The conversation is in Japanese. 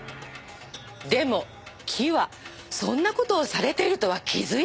でも木はそんな事をされているとは気づいていない。